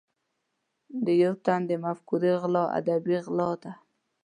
د یو تن د مفکورې غلا ادبي غلا ده.